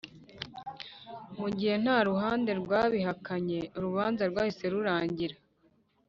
Mu gihe nta ruhande rwabihakanye urubanza rwahise rurangira